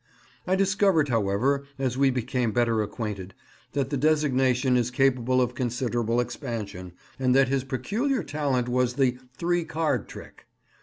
I discovered, however, as we became better acquainted, that the designation is capable of considerable expansion, and that his peculiar talent was the "three card trick."